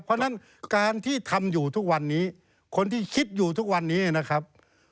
เพราะฉะนั้นการที่ทำอยู่ทุกวันนี้คนที่คิดอยู่ทุกวันนี้นะครับ